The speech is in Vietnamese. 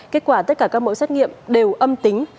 kết quả tất cả các mẫu xét nghiệm đều âm tính